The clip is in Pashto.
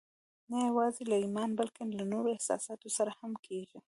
نه يوازې له ايمان بلکې له نورو احساساتو سره هم کېږي.